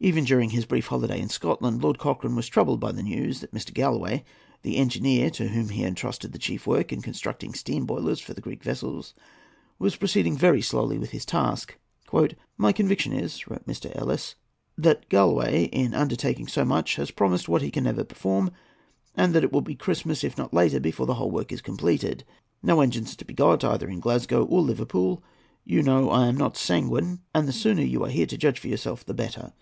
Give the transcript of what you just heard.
Even during his brief holiday in Scotland, Lord Cochrane was troubled by the news that Mr. Galloway, the engineer to whom had been entrusted the chief work in constructing steam boilers for the Greek vessels, was proceeding very slowly with his task. "My conviction is," wrote Mr. Ellice, "that Galloway, in undertaking so much, has promised what he can never perform, and that it will be Christmas, if not later, before the whole work is completed. No engines are to be got either in Glasgow or Liverpool. You know I am not sanguine, and the sooner you are here to judge for yourself the better.